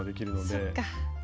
そっか。